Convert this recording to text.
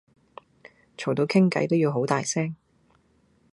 嘈到傾計都要好大聲